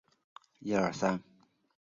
其子潘振镛以绘画闻名。